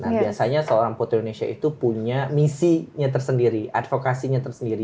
nah biasanya seorang putri indonesia itu punya misinya tersendiri advokasinya tersendiri